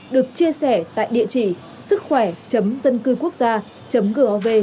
được chia sẻ tại địa chỉ sứckhoẻ dâncưuquốcgia gov vn